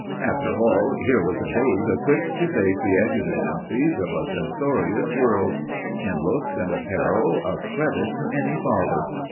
After all, here was a babe equipped to face the exigencies of a censorious world; in looks and apparel a credit to any father.